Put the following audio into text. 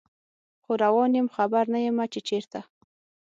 خو روان یم خبر نه یمه چې چیرته